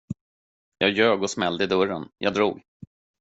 Jag ljög och smällde i dörren, jag drog.